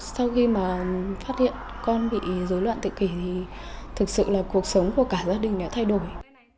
sau khi mà phát hiện con bị dối loạn tự kỷ thì thực sự là cuộc sống của cả gia đình đã thay đổi